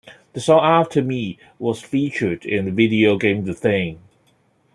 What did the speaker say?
The song "After Me" was featured in the video game "The Thing".